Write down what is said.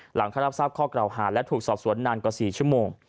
หลังเข้ารับทราบข้อกล่าวหาและถูกสอบสวนนานกว่า๔ชั่วโมง